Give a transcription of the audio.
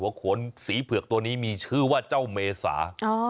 หัวขนสีผึกตัวนี้มีชื่อว่าเจ้าเมสา